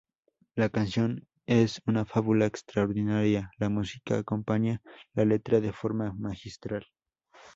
La canción es una fábula extraordinaria, la música acompaña la letra de forma magistral.